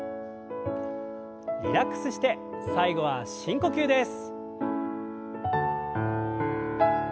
リラックスして最後は深呼吸です。